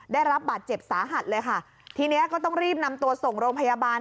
ได้รับบาดเจ็บสาหัสเลยค่ะทีนี้ก็ต้องรีบนำตัวส่งโรงพยาบาล